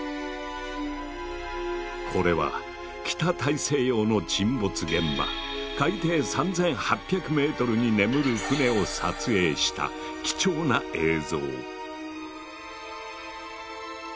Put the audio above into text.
これは北大西洋の沈没現場海底３，８００メートルに眠る船を撮影した貴重な映像。